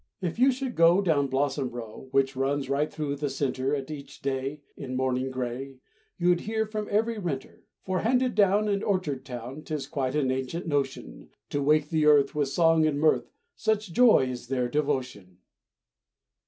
If you should go Down Blossom row, Which runs right through the center, At each day, In morning gray, You'd hear from every renter. For handed down In Orchard town, 'Tis quite an ancient notion, To wake the earth With song and mirth, Such joy is their devotion.